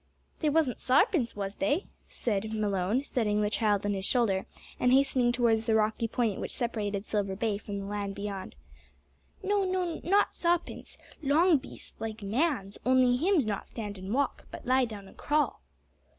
"They wasn't sarpints, was they?" said Malone, seating the child on his shoulder and hastening towards the rocky point which separated Silver Bay from the land beyond. "No, no not saa'pints. Long beasts, like mans, only hims not stand and walk, but lie down and crawl."